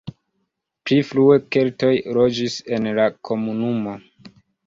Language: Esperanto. Pli frue keltoj loĝis en la komunumo.